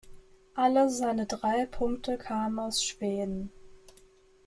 Alle seine drei Punkte kamen aus Schweden.